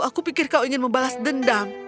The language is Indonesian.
aku pikir kau ingin membalas dendam